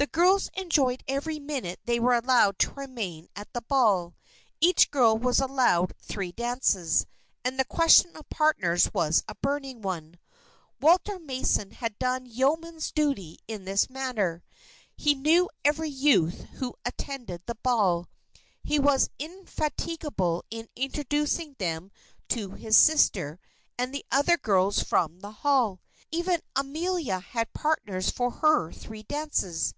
The girls enjoyed every minute they were allowed to remain at the ball. Each girl was allowed three dances, and the question of partners was a burning one. Walter Mason had done yeoman's duty in this matter. He knew every youth who attended the ball. He was indefatigable in introducing them to his sister and the other girls from the Hall. Even Amelia had partners for her three dances.